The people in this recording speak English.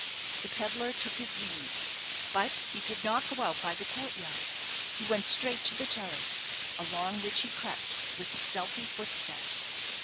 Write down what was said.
The pedlar took his leave; but he did not go out by the court yard. He went straight to the terrace, along which he crept with stealthy footsteps.